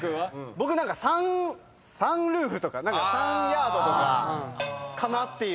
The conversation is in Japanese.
僕「サンルーフ」とか「サンヤード」とかかなっていう。